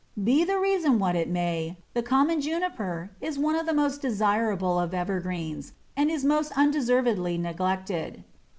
Be the reason what it may, the common Juniper is one of the most desirable of evergreens, and is most undeservedly neglected.